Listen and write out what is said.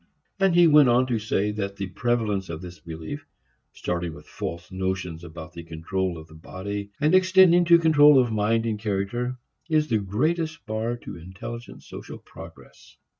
And he went on to say that the prevalence of this belief, starting with false notions about the control of the body and extending to control of mind and character, is the greatest bar to intelligent social progress.